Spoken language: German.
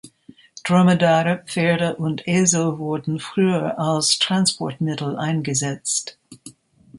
Dromedare, Pferde, und Esel wurden früher als Transportmittel eingesetzt.